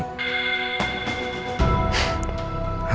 atau anak gue